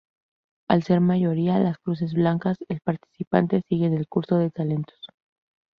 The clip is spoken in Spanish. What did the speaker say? Al ser mayoría las cruces blancas, el participante sigue en el concurso de talentos.